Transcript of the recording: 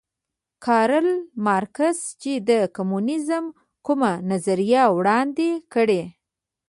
کارل مارکس چې د کمونیزم کومه نظریه وړاندې کړې